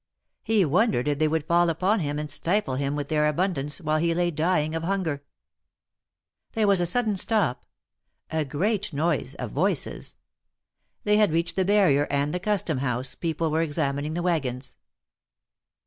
He wondered if they would fall upon him and stifle him with their abundance, while he lay dying of hunger. There was a sudden stop — a great noise of voices. They had reached the barrier and the Custom House people were examining the wagons.